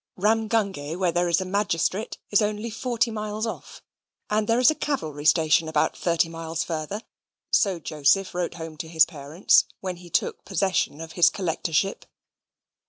Ramgunge, where there is a magistrate, is only forty miles off, and there is a cavalry station about thirty miles farther; so Joseph wrote home to his parents, when he took possession of his collectorship.